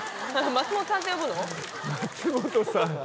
松本さん。